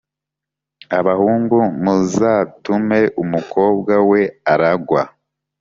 abahungu muzatume umukobwa we aragwa